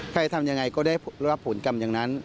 ใครทำยังไงก็ได้รับผลกรรมอย่างนั้น